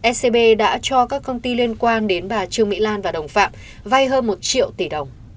scb đã cho các công ty liên quan đến bà trương mỹ lan và đồng phạm vay hơn một triệu tỷ đồng